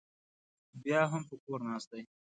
بیا هم په کور ناست دی